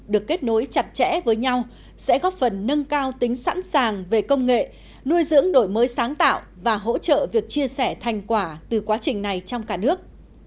được kết nối chặt chẽ với nhau sẽ góp phần nâng cao tính sẵn sàng về công nghệ nuôi dưỡng đổi mới sáng tạo và hỗ trợ việc chia sẻ thành quả từ quá trình này trong cả nước